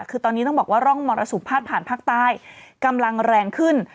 คือตอนนี้ต้องบอกว่าร่องมรสุมพาดผ่านภาคใต้กำลังแรงขึ้น